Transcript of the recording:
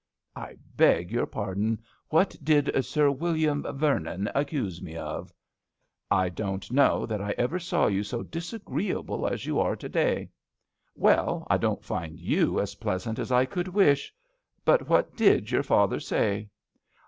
" I beg your pardon. What did Sir William Vernon accuse me of?" " I don't know that I ever saw you so disagreeable as you are to day." "Well, I don't find you as pleasant as I could wish. But what did your father say